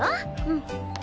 うん。